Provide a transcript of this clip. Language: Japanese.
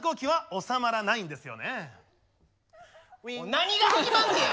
何が始まんねや！